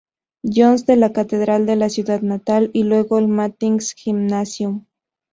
John's de la catedral en su ciudad natal y luego en el Matthias-Gymnasium.